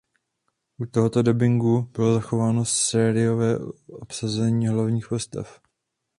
U tohoto dabingu bylo zachováno seriálové obsazení hlavních postav.